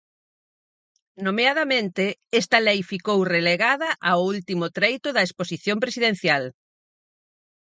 Nomeadamente, esta lei ficou relegada ao último treito da exposición presidencial.